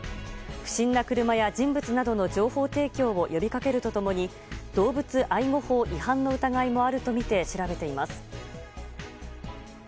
不審な車や人物の情報提供を呼びかけると共に動物愛護法違反の疑いもあるとみて調べています。